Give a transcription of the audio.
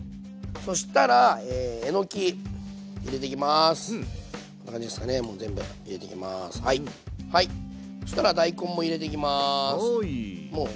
そしたら大根も入れていきます。